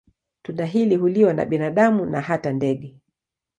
Tunda hili huliwa na binadamu na hata ndege.